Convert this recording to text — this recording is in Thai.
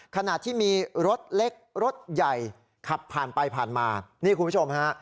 ขณะที่มีรถเล็กรถใหญ่ขับผ่านไปผ่านมานี่คุณผู้ชมฮะ